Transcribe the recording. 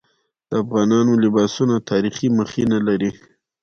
د افغانانو لباسونه تاریخي مخینه لري.